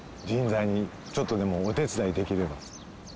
ちょっとでもお手伝いできれば。